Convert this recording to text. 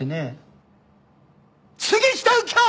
杉下右京！